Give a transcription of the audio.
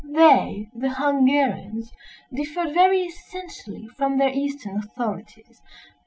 They—the Hungarians—differed very essentially from their Eastern authorities.